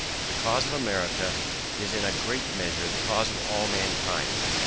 The cause of America is in a great measure the cause of all mankind.